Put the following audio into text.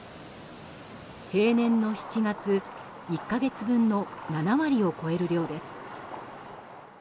平年の７月１か月分の７割を超える量です。